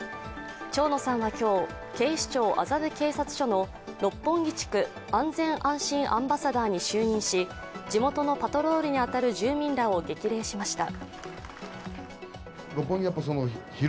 蝶野さんは今日、警視庁麻布警察署の六本木地区安心安全アンバサダーに就任し地元のパトロールに当たる住民らを激励しました。